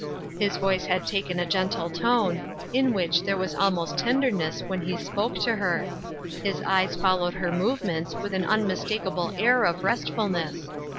His voice Lad taken a gentle tone, in which there was almost tenderness, when he spoke to her. His eyes fol lowed her movements with an unmistakable air of restfulness.